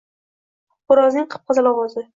Xo’rozning qip-qizil ovozi.